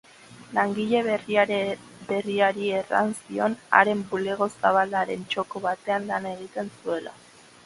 Langile berriari erran zion haren bulego zabalaren txoko batean lan eginen zuela.